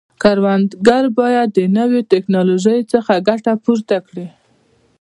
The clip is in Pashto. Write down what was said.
کروندګر باید د نوو ټکنالوژیو څخه ګټه پورته کړي.